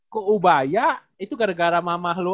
ke ubaya itu gara gara mama lu